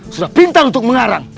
sudah pintar untuk mengarang